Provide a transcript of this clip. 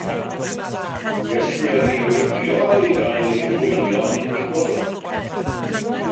Gellir ei rigio i gael ei hwylio'n unigol.